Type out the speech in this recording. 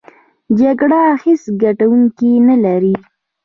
جګړه هېڅ ګټوونکی نلري!